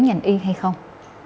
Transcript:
nhận y hay không